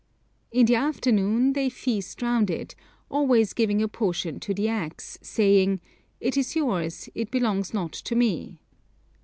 In the afternoon they feast round it, always giving a portion to the axe, saying, 'It is yours, it belongs not to me.'